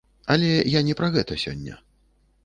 Але я не пра гэта сёння.